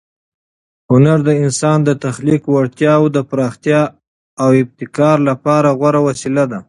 هنر د انسان د تخلیق وړتیاوو د پراختیا او ابتکار لپاره غوره وسیله ده.